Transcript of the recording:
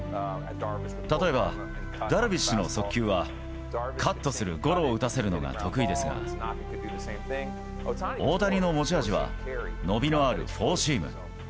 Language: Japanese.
例えば、ダルビッシュの速球は、カットする、ゴロを打たせるのが得意ですが、大谷の持ち味は伸びのあるフォーシーム。